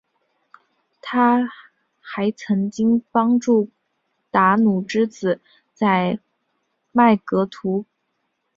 她还曾经帮助达努之子在麦格图雷德战役中击败了丑陋的深海巨人。